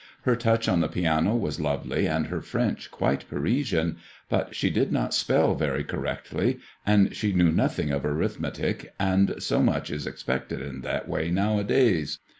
Her touch on the piano was lovely, and her French quite Parisian, but she did not spell very correctly, and she knew nothing of uith metic, and so much is expected in that way nowadays.